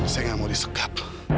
saya nggak mau disegap